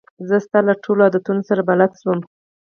زه ستا له ټولو عادتو سره بلده شوم.